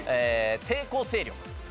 抵抗勢力。